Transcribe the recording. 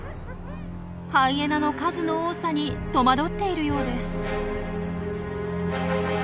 ハイエナの数の多さにとまどっているようです。